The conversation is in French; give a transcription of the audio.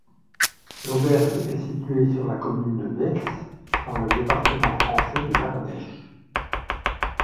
L'auberge est située sur la commune de Baix, dans le département français de l'Ardèche.